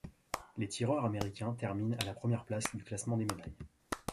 Les tireurs américains terminent à la première place du classement des médailles.